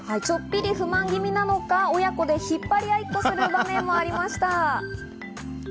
ちょっぴり不満気味なのか親子で引っ張り合いっこをする場面もありました。